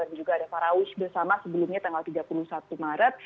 dan juga ada faraush bersama sebelumnya tanggal tiga puluh satu maret